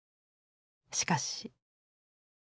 しかし。